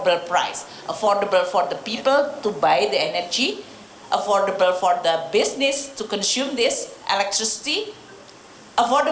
berharga untuk orang orang untuk membeli energi berharga untuk bisnis untuk menggunakan energi